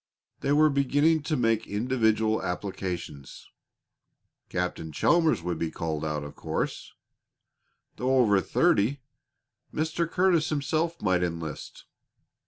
They were beginning to make individual applications. Captain Chalmers would be called out, of course. Though over thirty, Mr. Curtis himself might enlist.